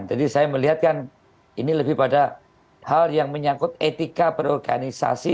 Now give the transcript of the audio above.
jadi saya melihatkan ini lebih pada hal yang menyangkut etika berorganisasi